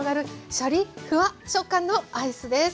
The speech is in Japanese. シャリッフワッ食感のアイスです。